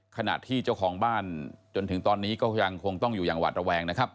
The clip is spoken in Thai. ขณะที่เจ้าของบ้านจนถึงตอนนี้ก็ยังคงต้องอยู่อย่างหวาดระแวงนะครับ